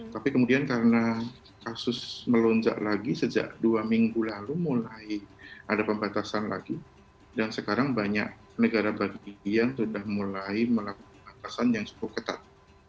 tapi kemudian karena kasus melonjak lagi sejak dua minggu lalu mulai ada pembatasan lagi dan sekarang banyak negara bagian sudah mulai melakukan pembatasan yang cukup ketat